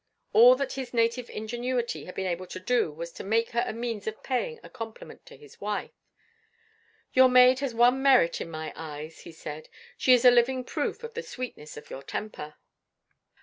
All that his native ingenuity had been able to do was to make her a means of paying a compliment to his wife. "Your maid has one merit in my eyes," he said; "she is a living proof of the sweetness of your temper."